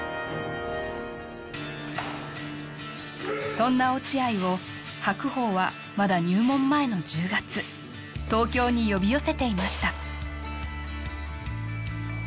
そんな落合を白鵬はまだ入門前の１０月東京に呼び寄せていました